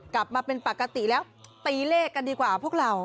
กลับมาเป็นปกติแล้วตีเลขกันดีกว่าพวกเรา